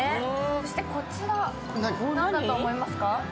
そして、こちら何だと思いますか？